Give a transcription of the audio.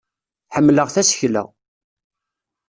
Ḥemmleɣ tasekla.